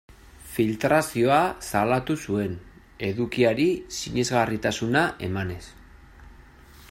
Filtrazioa salatu zuen, edukiari sinesgarritasuna emanez.